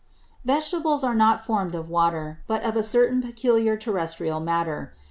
5. _Vegetables are not form'd of Water; but of a certain peculiar Terrestrial Matter.